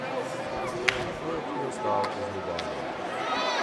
Projekt měl stát zhruba miliardu.